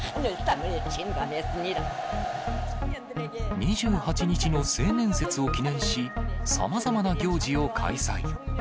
２８日の青年節を記念し、さまざまな行事を開催。